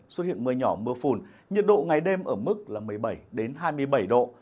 xuất hiện mưa nhỏ mưa phùn nhiệt độ ngày đêm ở mức là một mươi bảy hai mươi bảy độ